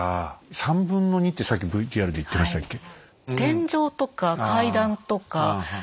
３分の２ってさっきＶＴＲで言ってましたっけ。